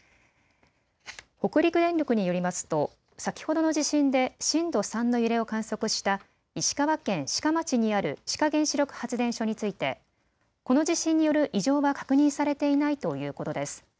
北陸電力によりますと先ほどの地震で震度３の揺れを観測した石川県志賀町にある志賀原子力発電所についてこの地震による異常は確認されていないということです。